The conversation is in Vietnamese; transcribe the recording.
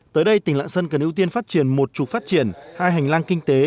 tới đây tỉnh lạng sơn cần ưu tiên phát triển một trục phát triển hai hành lang kinh tế